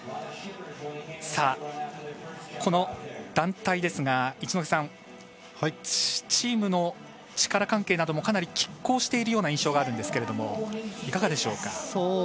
この団体ですが、一戸さんチームの力関係などもかなりきっ抗してる印象があるんですがいかがでしょうか。